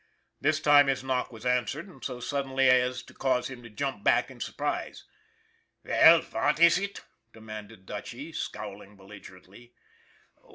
This time his knock was answered, and so suddenly as to cause him to jump back in surprise. " Veil, vat iss it ?" demanded Dutchy, scowling belligerently.